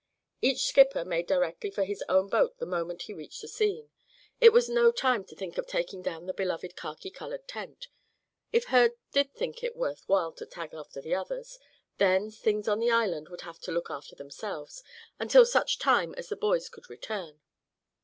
Each skipper made directly for his own boat the moment he reached the scene. It was no time to think of taking down the beloved khaki colored tent; if Herb did think it worth while to tag after the others, then things on the island would have to look after themselves until such time as the boys could return.